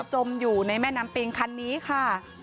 จมอยู่ในแม่น้ำปิงคันนี้ค่ะ